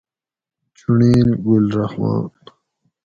چُنڑیل: گل رحمان